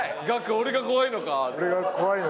「俺が怖いのか？」。